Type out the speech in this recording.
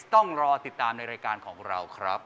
ต้องรอติดตามในรายการของเราครับ